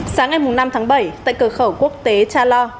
sáng ngày năm tháng bảy tại cửa khẩu quốc tế cha lo